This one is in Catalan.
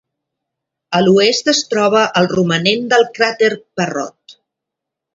A l'oest es troba el romanent del cràter Parrot.